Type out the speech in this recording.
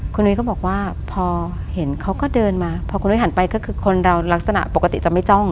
คุณนุ้ยก็บอกว่าพอเห็นเขาก็เดินมาพอคุณนุ้ยหันไปก็คือคนเราลักษณะปกติจะไม่จ้อง